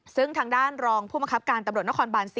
ซึ่งทางด้านรองผู้มังคับการตำรวจนครบาน๔